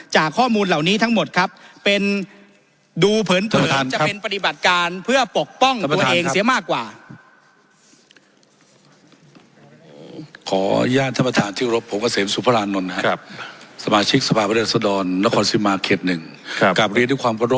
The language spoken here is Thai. จากข้อมูลเหล่านี้ทั้งหมดครับเป็นดูเผินเผลอจะเป็นปฏิบัติการ